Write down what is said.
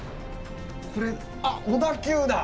これ小田急だ！